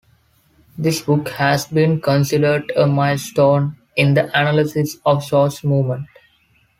This book has been considered a milestone in the analysis of social movements.